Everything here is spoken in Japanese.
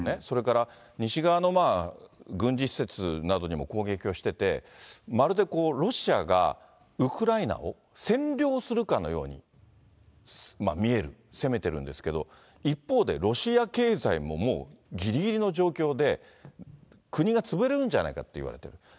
それから西側の軍事施設などにも攻撃をしてて、まるでロシアがウクライナを占領するかのように見える、攻めてるんですけど、一方で、ロシア経済も、もうぎりぎりの状況で、国が潰れるんじゃないかといわれている。